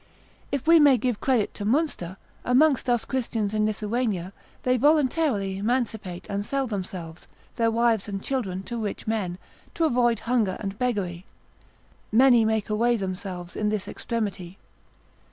If we may give credit to Munster, amongst us Christians in Lithuania, they voluntarily mancipate and sell themselves, their wives and children to rich men, to avoid hunger and beggary; many make away themselves in this extremity.